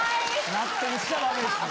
・納得しちゃダメです・